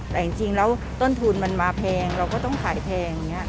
แต่จริงแล้วต้นทุนมันมาแพงเราก็ต้องขายแพงอย่างนี้